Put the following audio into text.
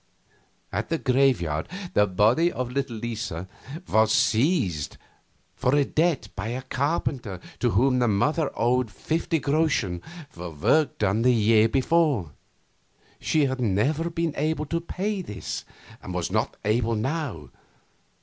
At the graveyard the body of little Lisa was seized for debt by a carpenter to whom the mother owed fifty groschen for work done the year before. She had never been able to pay this, and was not able now.